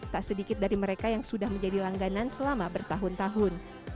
tak sedikit dari mereka yang sudah menjadi langganan selama bertahun tahun